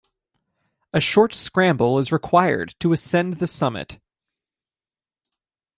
A short scramble is required to ascend the summit.